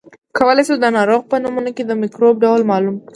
کولای شو د ناروغ په نمونه کې د مکروب ډول معلوم کړو.